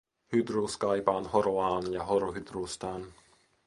Hydrus kaipaan horoaan, ja horo Hydrustaan.